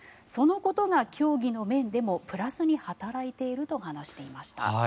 そのことが競技の面でもプラスに働いていると話していました。